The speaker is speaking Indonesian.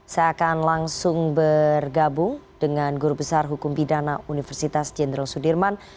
saya akan langsung bergabung dengan guru besar hukum pidana universitas jenderal sudirman